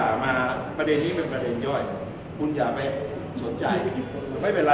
อ้าวอ้าวเราไปก็เอาใจเมื่อผมเปิดให้แยะกระสาสาธิตผมให้เขา